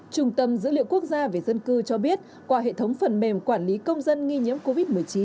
trung tâm dữ liệu quốc gia về dân cư cho biết qua hệ thống phần mềm quản lý công dân nghi nhiễm covid một mươi chín